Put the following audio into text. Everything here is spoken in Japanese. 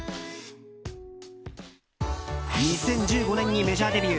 ２０１５年にメジャーデビュー。